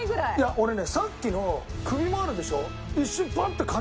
俺ねさっきの首もあるでしょ。